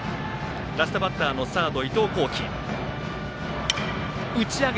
ラストバッターのサード伊藤光輝。